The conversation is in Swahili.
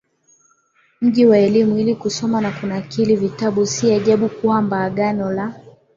mji wa elimu ili kusoma na kunakili vitabu Si ajabu kwamba Agano la